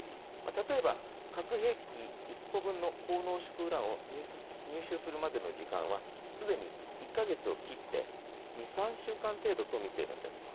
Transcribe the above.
例えば、核兵器１個分の高濃縮ウランを入手するまでの時間はすでに１か月を切って２３週間程度とみているんです。